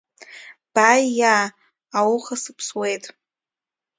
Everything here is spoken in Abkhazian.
Баииа ауха сыԥсуеит.